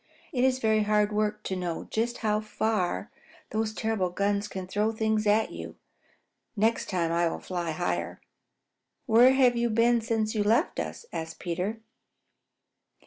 It is very hard work to know just how far those terrible guns can throw things at you. Next time I will fly higher." "Where have you been since you left us?" asked Peter.